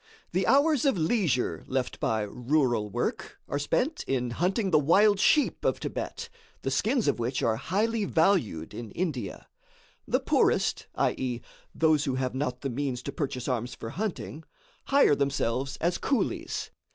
The hours of leisure left by rural work are spent in hunting the wild sheep of Thibet, the skins of which are highly valued in India. The poorest, i.e., those who have not the means to purchase arms for hunting, hire themselves as coolies.